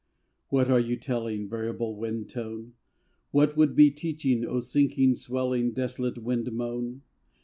What are you telling, Variable Wind tone ? What would be teaching, O sinking, swelling, Desolate Wind moan